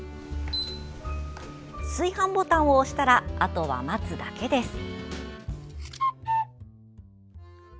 炊飯ボタンを押したらあとは待つだけです。